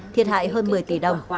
thiệt hại hơn một mươi tỷ đồng